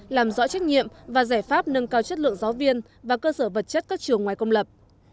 làm rõ trách nhiệm và giải pháp nâng cao chất lượng giáo viên và cơ sở vật chất các trường ngoài công lập